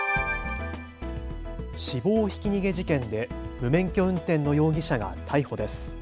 死亡ひき逃げ事件で無免許運転の容疑者が逮捕です。